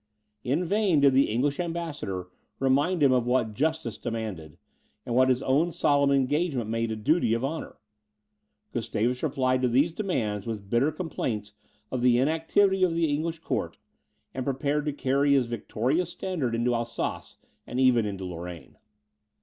In vain did the English ambassador remind him of what justice demanded, and what his own solemn engagement made a duty of honour; Gustavus replied to these demands with bitter complaints of the inactivity of the English court, and prepared to carry his victorious standard into Alsace, and even into Lorraine.